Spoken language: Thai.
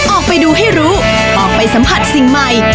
ออกไปดูให้รู้ออกไปสัมผัสสิ่งใหม่